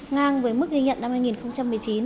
ngang với mức ghi nhận năm hai nghìn một mươi chín